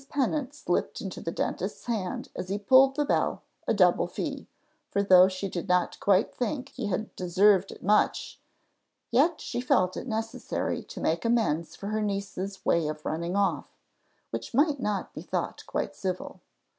Pennant slipped into the dentist's hand, as he pulled the bell, a double fee; for though she did not quite think he deserved it much, yet she felt it necessary to make amends for her niece's way of running off, which might not be thought quite civil.